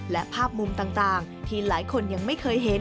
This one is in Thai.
และภาพมุมต่างที่หลายคนยังไม่เคยเห็น